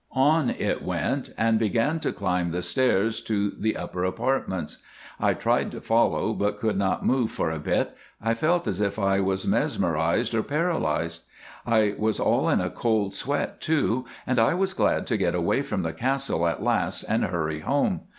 On it went and began to climb the stairs to the upper apartments. I tried to follow, but could not move for a bit. I felt as if I was mesmerised or paralysed. I was all in a cold sweat, too, and I was glad to get away from the Castle at last and hurry home.